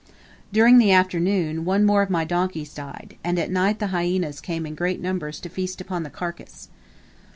During the afternoon one more of my donkeys died, and at night the hyaenas came in great numbers to feast upon the carcase.